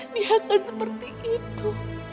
dia akan seperti itu